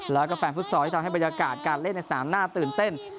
แล้วก็แฟนฟุตซอลที่ทำให้บรรยากาศการเล่นในสนามน่าตื่นเต้น